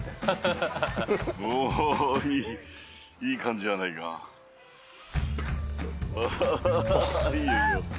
おおっいいいい感じじゃないかアッハッハいいよ